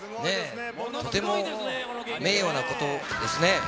とても名誉なことですね。